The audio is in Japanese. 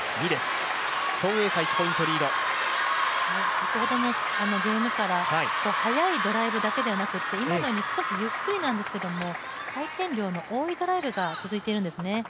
先ほどのゲームから速いドライブだけではなくて今のように少しゆっくりなんですけれども、回転量の多いドライブが続いているんですね。